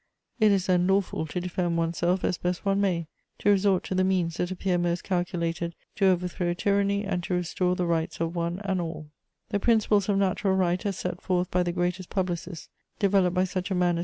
It is then lawful to defend one's self as best one may, to resort to the means that appear most calculated to overthrow tyranny and to restore the rights of one and all." [Sidenote: Talks with Malesherbes.] The principles of natural right as set forth by the greatest publicists, developed by such a man as M.